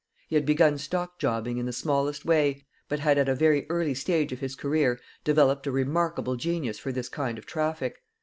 He had begun stockjobbing in the smallest way, but had at a very early stage of his career developed a remarkable genius for this kind of traffic.